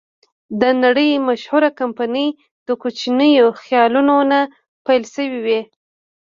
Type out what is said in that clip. د نړۍ مشهوره کمپنۍ د کوچنیو خیالونو نه پیل شوې وې.